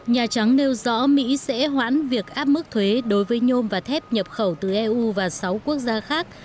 nhà trắng nêu rõ mỹ sẽ hoãn việc áp mức thuế đối với nhôm và thép nhập khẩu từ eu và sáu quốc gia khác